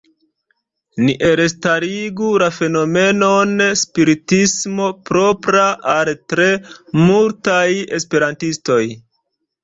Ni elstarigu la fenomenon “spiritismo propra al tre multaj esperantistoj.